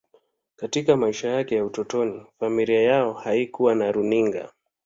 Katika maisha yake ya utotoni, familia yao haikuwa na runinga.